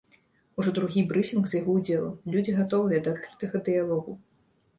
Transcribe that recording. Ужо другі брыфінг з яго ўдзелам, людзі гатовыя да адкрытага дыялогу.